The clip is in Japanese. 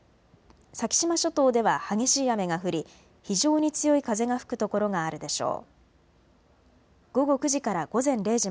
先島諸島では激しい雨が降り非常に強い風が吹く所があるでしょう。